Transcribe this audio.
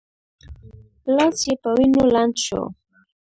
لاس یې په وینو لند شو.